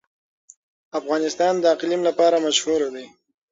افغانستان د اقلیم لپاره مشهور دی.